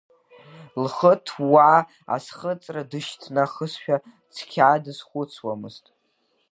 Лхы ҭууа, аӡхыҵра дышьҭнахызшәа, цқьа дызхәыцуамызт.